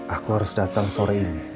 aku harus datang sore ini